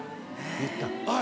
言ったの。